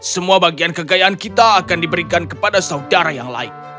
semua bagian kekayaan kita akan diberikan kepada saudara yang lain